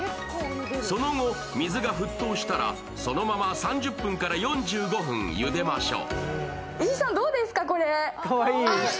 その後、水が沸騰したらそのまま３０分から４５分ゆでましょう。